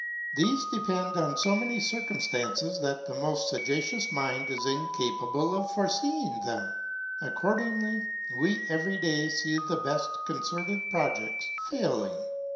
Thefe depend on fo many circumftances, that the moft fagacious mind is incapable of forefeeing them : accordingly, we every day fee the beft concerted projects failing.